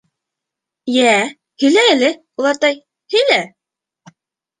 — Йә, һөйлә әле, олатай, һөйлә!